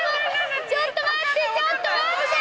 ちょっと待ってちょっと待って！